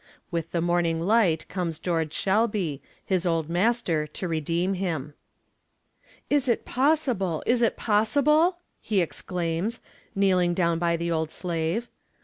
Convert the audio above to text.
With the morning light comes George Shelby, his old master, to redeem him. 'Is it possible, is it possible?' he exclaims, kneeling down by the old slave.